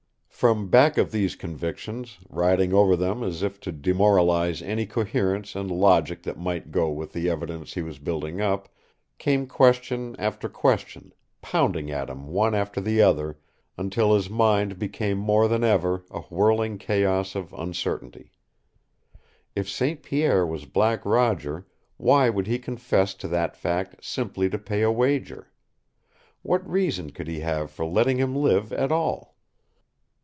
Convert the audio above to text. From back of these convictions, riding over them as if to demoralize any coherence and logic that might go with the evidence he was building up, came question after question, pounding at him one after the other, until his mind became more than ever a whirling chaos of uncertainty. If St. Pierre was Black Roger, why would he confess to that fact simply to pay a wager? What reason could he have for letting him live at all?